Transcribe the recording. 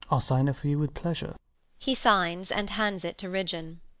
I'll sign it for you with pleasure. [He signs and hands it to Ridgeon].